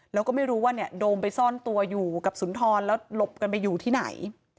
แล้วก็ไม่รู้ว่าเนี่ยโดมไปซ่อนตัวอยู่กับสุนทรแล้วหลบกันไปอยู่ที่ไหน